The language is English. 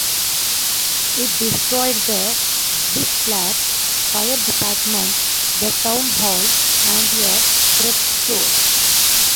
It destroyed the Big Flats Fire Department, the Town Hall, and a thrift store.